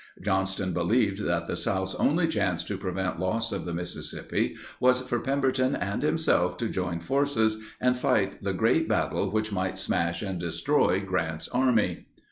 Johnston believed that the South's only chance to prevent loss of the Mississippi was for Pemberton and himself to join forces and fight the great battle which might smash and destroy Grant's Army.